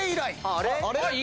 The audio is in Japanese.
あれ？